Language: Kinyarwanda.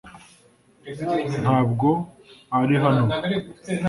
Ntabwo ari hano ubu .